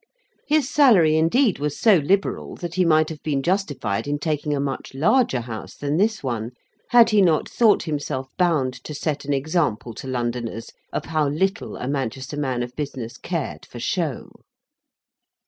His salary indeed was so liberal that he might have been justified in taking a much larger House than this one, had he not thought himself bound to set an example to Londoners of how little a Manchester man of business cared for show.